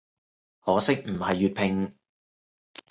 可惜唔係粵拼